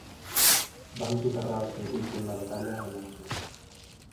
Van soterrar els caiguts en la batalla allà mateix.